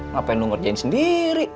ngapain lu ngerjain sendiri